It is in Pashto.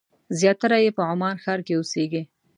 زیاتره یې په عمان ښار کې اوسېږي.